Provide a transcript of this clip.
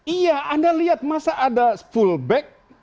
iya anda lihat masa ada fullback